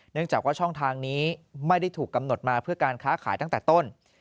จากว่าช่องทางนี้ไม่ได้ถูกกำหนดมาเพื่อการค้าขายตั้งแต่ต้น